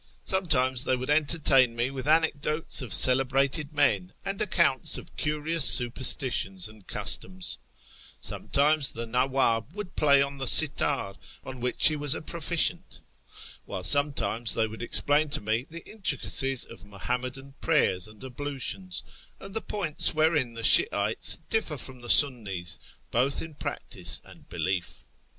Sometimes they would entertain me with anecdotes of celebrated men and accounts of curious 8 114 ^ YEAR AMONGST THE PERSIANS superstitions and customs ; sometimes the Nawwub would play ou the si fitr, on \vhich he was a proficient; while sometimes they would explain to me the intricacies of the Mnhanniiadan prayers and ablutions, and the points wherein the Shi'ites dift'er from the Sunni's, both in practice and beliel".